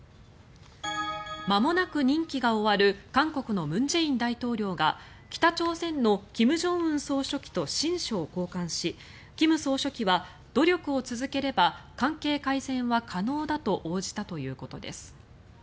まもなく任期が終わる韓国の文在寅大統領が北朝鮮の金正恩総書記と親書を交換し金総書記は、努力を続ければ関係改善は可能だと応じたということです。